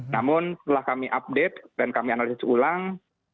namun setelah kami update dan kami analisis ulang